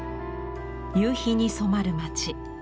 夕日に染まる町。